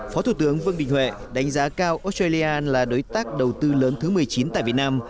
phó thủ tướng vương đình huệ đánh giá cao australia là đối tác đầu tư lớn thứ một mươi chín tại việt nam